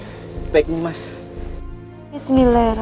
sampai jumpa di video selanjutnya